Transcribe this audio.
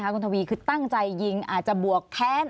คุณทวีคือตั้งใจยิงอาจจะบวกแค้น